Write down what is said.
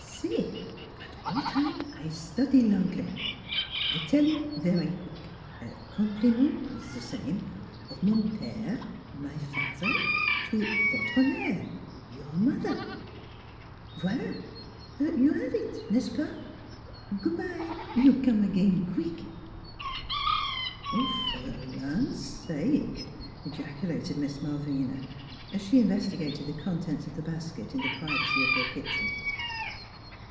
" See all times I study V Anglais. ... I tell you, very queek: Compliments, ze same of mon pere my fat'er to votre mere your mot'er. Voila! you have eet n'est ce pas? Goo' by; you come again queek! "" Fer th' Ian' sake! " ejaculated Miss Malvina, as she investigated the contents of the basket in the privacy of her kitchen.